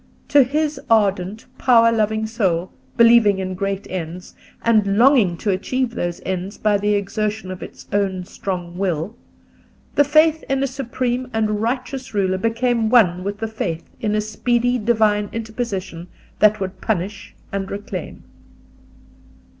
To his ardent, power loving soul, believing in great ends, and longing to achieve those ends by the exertion of its own strong will, the faith in a supreme and righteous Ruler became one with the faith in a speedy divine interposition that would punish and reclaim.